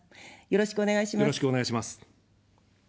よろしくお願いします。